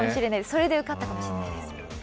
それで受かったかもしれないです。